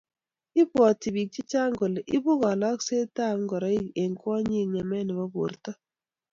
ibwoti biik chechang kole ibuu kaloksetab ngoroik eng kwonyik ng'emet nebo borto